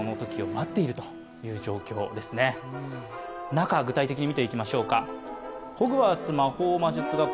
中、具体的に見ていきましょうか。